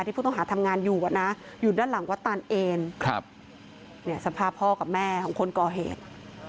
ผู้ต้องหาทำงานอยู่อยู่ด้านหลังวัดตานเอนสภาพพ่อกับแม่ของคนก่อเหตุ